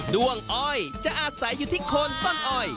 ้วงอ้อยจะอาศัยอยู่ที่โคนต้นอ้อย